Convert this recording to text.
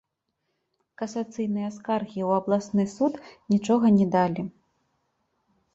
Касацыйныя скаргі ў абласны суд нічога не далі.